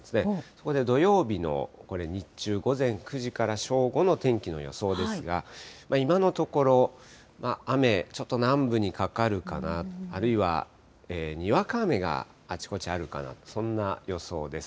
ここで土曜日の、これ日中、午前９時から正午の天気の予想ですが、今のところ、雨、ちょっと南部にかかるかな、あるいはにわか雨があちこちあるかな、そんな予想です。